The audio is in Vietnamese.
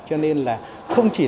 cho nên là không chỉ là